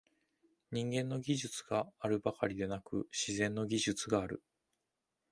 人間の技術があるばかりでなく、「自然の技術」がある。